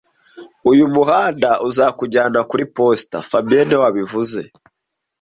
Uyu muhanda uzakujyana kuri posita fabien niwe wabivuze